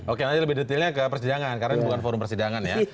oke nanti lebih detailnya ke persidangan karena ini bukan forum persidangan ya